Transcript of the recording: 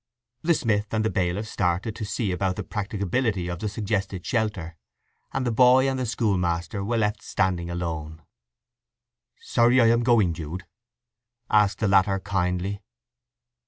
The smith and the bailiff started to see about the practicability of the suggested shelter, and the boy and the schoolmaster were left standing alone. "Sorry I am going, Jude?" asked the latter kindly.